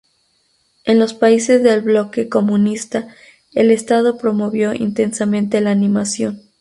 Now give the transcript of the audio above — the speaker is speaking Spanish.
En los países del bloque comunista, el Estado promovió intensamente la animación.